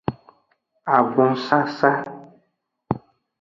Avonsasa.